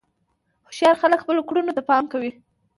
هوښیار خلک خپلو کړنو ته پام کوي.